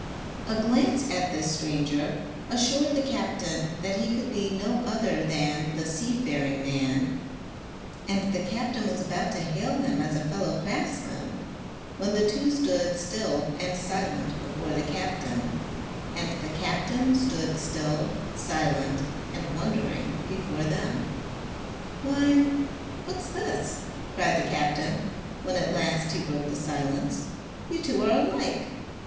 A glance at this stranger assured the captain that he could be no other than the Seafaring Man; and the captain was about to hail him as a fellow craftsman, when the two stood still and silent before the captain, and the captain stood still, silent, and wondering before them. "Why, what's this?" cried the captain, when at last he broke the silence. "You two are alike.